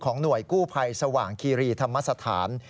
หน่วยกู้ภัยสว่างคีรีธรรมสถาน